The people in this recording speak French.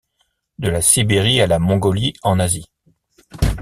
De la Sibérie à la Mongolie en Asie.